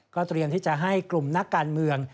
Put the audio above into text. เตรียมที่จะให้กลุ่มนักการเมือง